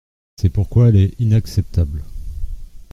C’est pourquoi elle est inacceptable.